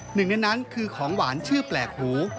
หนึ่งในนั้นคือของหวานชื่อแปลกหู